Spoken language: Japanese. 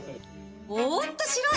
おっと、白い！